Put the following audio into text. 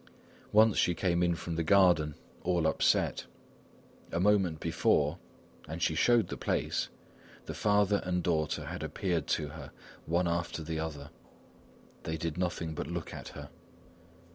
Once she came in from the garden, all upset. A moment before (and she showed the place), the father and daughter had appeared to her, one after the other; they did nothing but look at her.